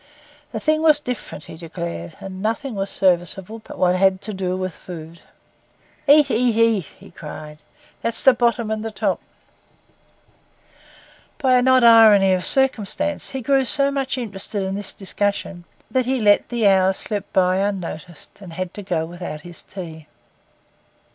The thing was different, he declared, and nothing was serviceable but what had to do with food. 'Eat, eat, eat!' he cried; 'that's the bottom and the top.' By an odd irony of circumstance, he grew so much interested in this discussion that he let the hour slip by unnoticed and had to go without his tea.